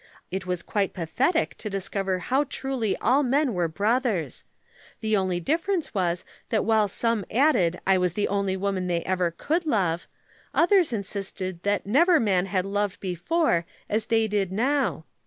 It was quite pathetic to discover how truly all men were brothers. The only difference was that while some added I was the only woman they ever could love, others insisted that never man had loved before as they did now.